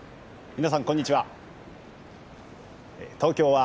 皆さん、こんにちは。